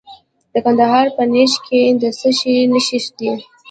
د کندهار په نیش کې د څه شي نښې دي؟